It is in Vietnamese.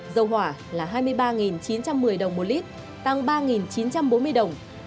dầu hỏa là hai mươi ba chín trăm một mươi đồng một lít tăng ba chín trăm bốn mươi đồng